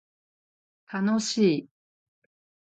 楽しい